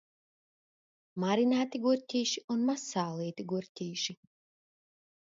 Marinēti gurķīši un mazsālīti gurķīši.